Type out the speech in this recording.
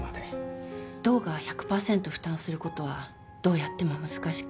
道が１００％負担することはどうやっても難しく。